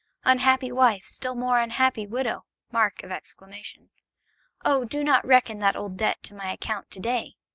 Unhappy wife, still more unhappy widow! Oh, do not reckon that old debt to my account to day!